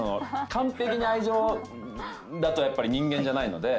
完璧な愛情だとやっぱり人間じゃないので。